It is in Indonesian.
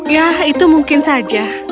ya itu mungkin saja